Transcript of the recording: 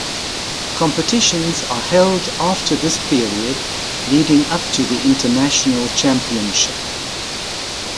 Competitions are held after this period, leading up to the international championship.